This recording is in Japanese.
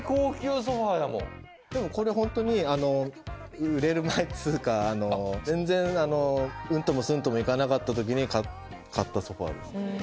でもこれホントに売れる前っつうか全然うんともすんとも行かなかった時に買ったソファです。